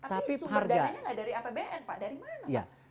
tapi sumber dananya nggak dari apbn pak dari mana pak